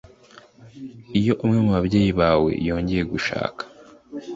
iyo umwe mu babyeyi bawe yongeye gushaka